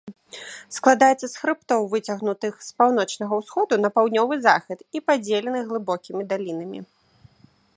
Складаецца з хрыбтоў, выцягнутых з паўночнага ўсходу на паўднёвы захад і падзеленых глыбокімі далінамі.